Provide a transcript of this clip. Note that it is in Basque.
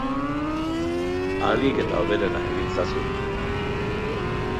Ahalik eta hoberena egin ezazu.